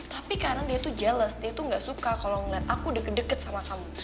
tapi karena dia tuh jeles dia tuh gak suka kalau ngeliat aku deket deket sama kamu